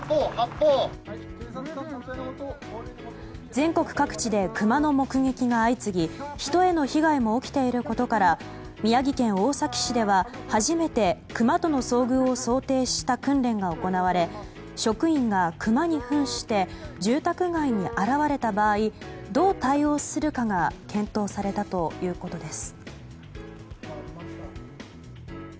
全国各地でクマの目撃が相次ぎ人への被害も起きていることから宮城県大崎市では初めてクマとの遭遇を想定した訓練が行われ職員がクマに扮して住宅街に現れた場合どう対応するかが検討されたということです。